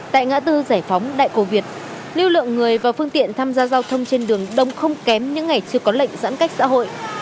tại ngã tư giải phóng đại cổ việt lưu lượng người và phương tiện tham gia giao thông trên đường đông không kém những ngày chưa có lệnh giãn cách xã hội